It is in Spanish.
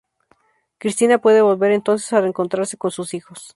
Cristina puede volver entonces a reencontrarse con sus hijos.